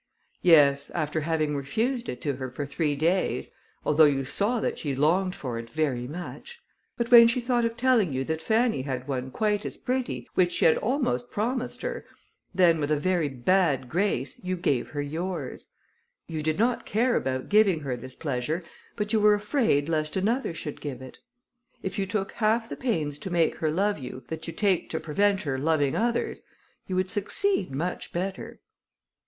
"Yes, after having refused it to her for three days, although you saw that she longed for it very much! But when she thought of telling you that Fanny had one quite as pretty, which she had almost promised her, then with a very bad grace you gave her yours. You did not care about giving her this pleasure, but you were afraid lest another should give it. If you took half the pains to make her love you, that you take to prevent her loving others, you would succeed much better."